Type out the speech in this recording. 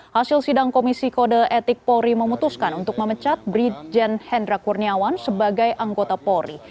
hasil sidang komisi kode etik polri memutuskan untuk memecat brigjen hendra kurniawan sebagai anggota polri